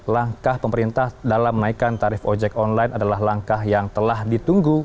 langkah pemerintah dalam menaikkan tarif ojek online adalah langkah yang telah ditunggu